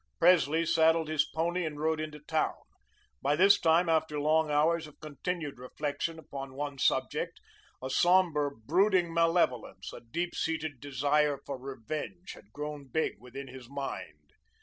Presley saddled his pony and rode into town. By this time, after long hours of continued reflection upon one subject, a sombre brooding malevolence, a deep seated desire of revenge, had grown big within his mind.